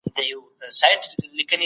حکومت باید د هر چا حق ته پاملرنه وکړي.